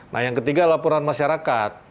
nah yang ketiga laporan masyarakat